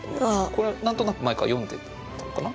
これは何となく前から読んでたのかな？